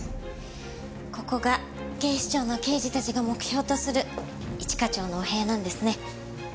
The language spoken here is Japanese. ここが警視庁の刑事たちが目標とする一課長のお部屋なんですね。